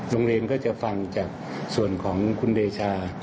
โรงเรียนก็จะฟังจากส่วนของคุณเดชา